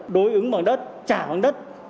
đối ứng bằng đất trả bằng đất